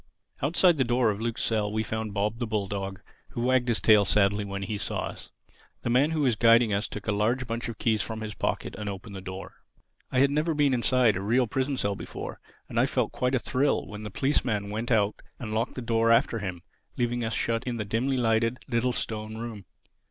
Outside the door of Luke's cell we found Bob, the bulldog, who wagged his tail sadly when he saw us. The man who was guiding us took a large bunch of keys from his pocket and opened the door. I had never been inside a real prison cell before; and I felt quite a thrill when the policeman went out and locked the door after him, leaving us shut in the dimly lighted, little, stone room.